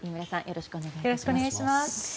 よろしくお願いします。